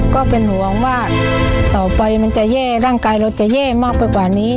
ก็เป็นห่วงว่าต่อไปร่างกายเราจะเย่มากแล้วนี้